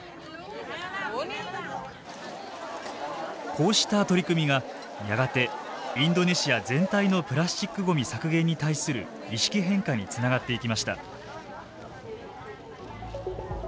こうした取り組みがやがてインドネシア全体のプラスチックごみ削減に対する意識変化につながっていきました。